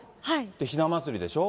ひな祭りでしょ？